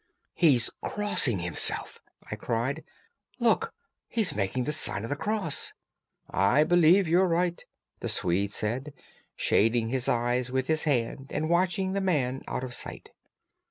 "He's crossing himself!" I cried. "Look, he's making the sign of the Cross!" "I believe you're right," the Swede said, shading his eyes with his hand and watching the man out of sight.